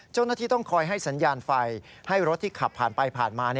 เจ้าหน้าที่ต้องคอยให้สัญญาณไฟให้รถที่ขับผ่านไปผ่านมา